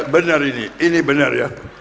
benar ini ini benar ya